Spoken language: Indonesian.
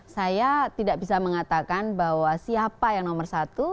saya tidak bisa mengatakan bahwa siapa yang nomor satu